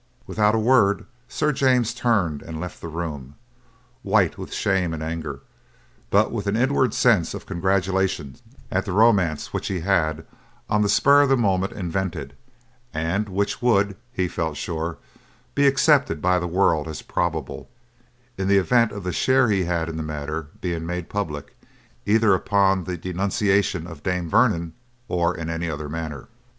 Without a word Sir James turned and left the room, white with shame and anger, but with an inward sense of congratulation at the romance which he had, on the spur of the moment, invented, and which would, he felt sure, be accepted by the world as probable, in the event of the share he had in the matter being made public, either upon the denunciation of Dame Vernon or in any other manner.